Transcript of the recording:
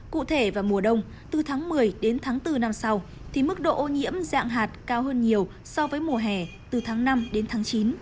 cụ thể vào mùa đông từ tháng một mươi đến tháng bốn năm sau thì mức độ ô nhiễm dạng hạt cao hơn nhiều so với mùa hè từ tháng năm đến tháng chín